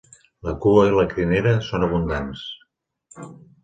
La cua i la crinera són abundants.